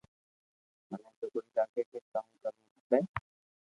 مني تو ڪوئي لاگي ڪي ڪاو ڪروُ کپي